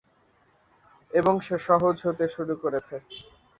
এবং সে সহজ হতে শুরু করেছে।